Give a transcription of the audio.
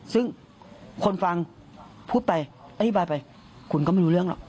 ซึ่งคนฟังพูดไปอธิบายไปคุณก็ไม่รู้เรื่องหรอก